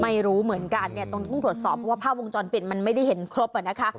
ไม่รู้เหมือนกันเนี่ยตรงนี้ต้องตรวจสอบว่าผ้าวงจรปิดมันไม่ได้เห็นครบอะนะคะ